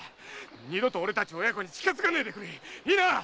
二度と俺たち親子に近づかねえでくれ！